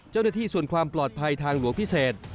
เจ้าหน้าที่ส่วนความปลอดภัยทางหลวงพิเศษ